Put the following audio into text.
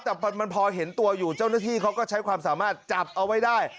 แต่มันพอเห็นตัวอยู่เจ้าหน้าที่เขาก็ใช้ความสามารถจับเอาไว้ได้